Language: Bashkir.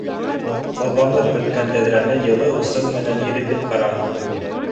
Боҙланып бөткән тәҙрәне йылы усым менән иретеп ҡараным.